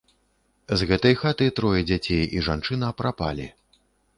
З гэтай хаты трое дзяцей і жанчына прапалі.